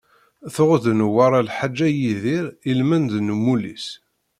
Tuɣ-d Newwara lḥaǧa i Yidir ilmend n umulli-s.